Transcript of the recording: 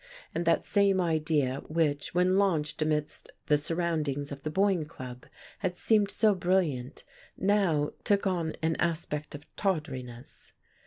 And that same idea which, when launched amidst the surroundings of the Boyne Club, had seemed so brilliant, now took on an aspect of tawdriness.